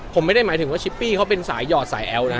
ผมไม่ได้หมายถึงว่าชิปปี้เขาเป็นสายหยอดสายแอลนะ